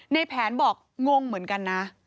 ในแผนบอกงงเหมือนกันนะ